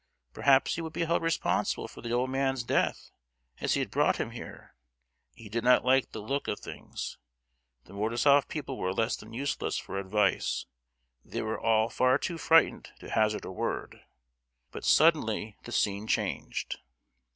Perhaps he would be held responsible for the old man's death, as he had brought him here? He did not like the look of things. The Mordasof people were less than useless for advice, they were all far too frightened to hazard a word. But suddenly the scene changed.